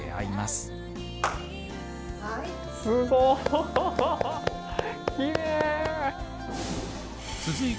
すごーい！